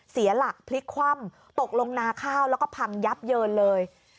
เสียหลักพลิกคว่ำตกลงนาข้าวแล้วก็พังยับเยินเลย